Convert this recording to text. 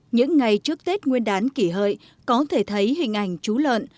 những ngày trước tết nguyên đán kỷ hợi có thể thấy hình ảnh chú lợn